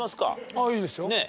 あっいいですよ。